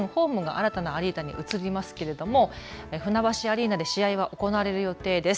来シーズン、ホームが新たなアリーナに移りますが船橋アリーナで試合は行われる予定です。